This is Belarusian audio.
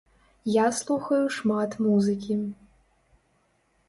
Я слухаю шмат музыкі.